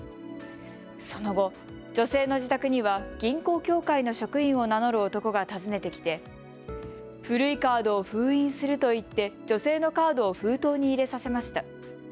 その後、女性の自宅には銀行協会の職員を名乗る男が訪ねてきて古いカードを封印すると言って女性のカードを封筒に入れさせました。